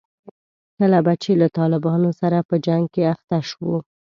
کله به چې له طالبانو سره په جنګ کې اخته شوو.